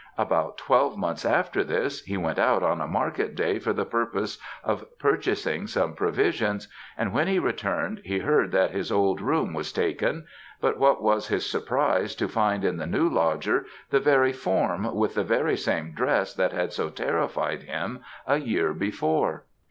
About twelve months after this, he went out on a market day for the purpose of purchasing some provisions, and when he returned, he heard that his old room was taken; but what was his surprise to find in the new lodger the very form, with the very same dress that had so terrified him a year before!